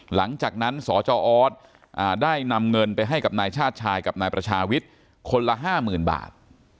หลังจากนั้นสจออสได้นำเงินไปให้กับนายชาติชายกับนายประชาวิทย์คนละ๕๐๐๐บาท